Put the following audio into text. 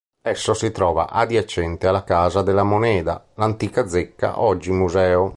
Esso si trova adiacente alla Casa de la Moneda, l'antica zecca, oggi museo.